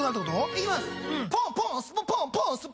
いきます